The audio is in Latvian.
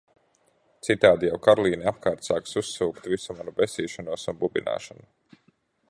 Citādi jau Karlīne apkārt sāks "uzsūkt" visu manu besīšanos un bubināšanu.